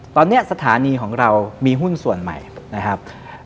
ตอนนี้สถานีของเรามีหุ้นส่วนใหม่นะครับ